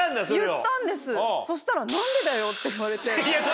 言ったんですそしたら。って言われて。